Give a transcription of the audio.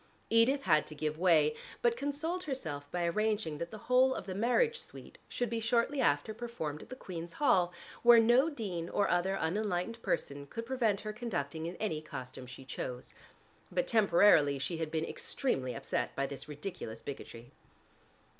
Edith had to give way, but consoled herself by arranging that the whole of the "Marriage Suite" should be shortly after performed at the Queen's Hall, where no dean or other unenlightened person could prevent her conducting in any costume she chose. But temporarily she had been extremely upset by this ridiculous bigotry.